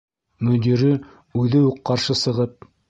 Мөдире үҙе үк ҡаршы сығып: